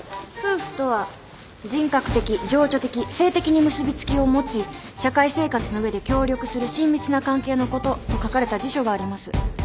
「夫婦とは人格的情緒的性的に結び付きを持ち社会生活の上で協力する親密な関係のこと」と書かれた辞書があります。